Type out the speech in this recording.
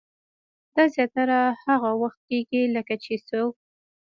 دا زياتره هاغه وخت کيږي کله چې څوک